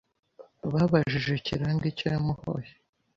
Babajije Kiranga icyo yamuhoye